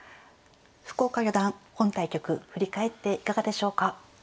福岡四段本対局振り返っていかがでしょうか？